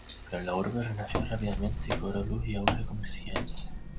Pero la urbe renació rápidamente y cobró luz y auge comercial.